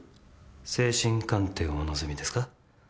精神鑑定をお望みですか？